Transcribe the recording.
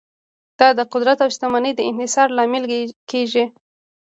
دا د قدرت او شتمنۍ د انحصار لامل کیږي.